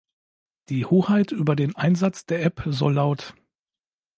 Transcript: Die Hoheit über den Einsatz der App soll lt.